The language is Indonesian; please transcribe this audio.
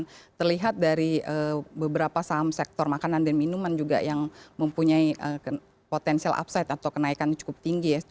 dan terlihat dari beberapa saham sektor makanan dan minuman juga yang mempunyai potensial upside atau kenaikan cukup tinggi ya